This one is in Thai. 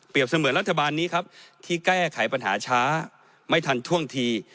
เสมือนรัฐบาลนี้ครับที่แก้ไขปัญหาช้าไม่ทันท่วงที